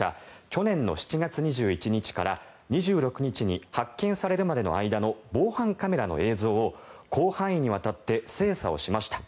去年の７月２１日から２６日に発見されるまでの間の防犯カメラの映像を広範囲にわたって精査をしました。